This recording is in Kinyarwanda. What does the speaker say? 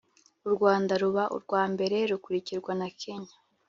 u Rwanda ruba u rwa mbere rukurikirwa na Kenya